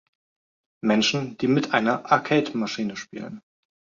Menschen, die mit einer Arcade-Maschine spielen.